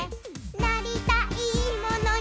「なりたいものに」